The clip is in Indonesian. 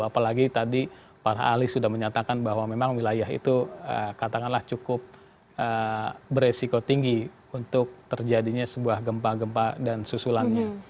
apalagi tadi para ahli sudah menyatakan bahwa memang wilayah itu katakanlah cukup beresiko tinggi untuk terjadinya sebuah gempa gempa dan susulannya